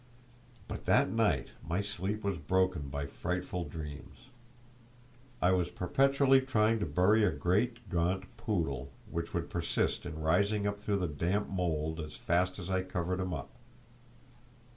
But that night my sleep was broken by frightful dreams. I was perpetually trying to bury a great, gaunt poodle, which would persist in rising up through the damp mould as fast as I covered him up.